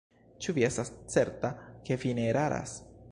Ĉu vi estas certa, ke vi ne eraras?